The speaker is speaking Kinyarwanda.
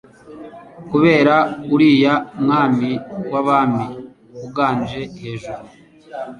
Kuberako uriya Mwami w'abami uganje hejuru